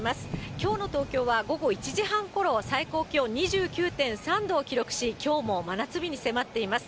きょうの東京は午後１時半ごろ、最高気温２９．３度を記録し、きょうも真夏日に迫っています。